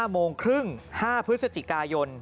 โมงครึ่ง๕พฤศจิกายน